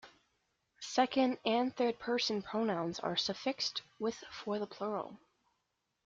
Second- and third-person pronouns are suffixed with for the plural.